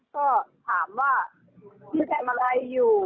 พ่อพ่อทักนะก็ถามว่าพี่แก่มอะไรอยู่